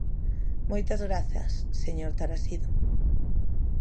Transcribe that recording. Moitas grazas, señor Tarasido.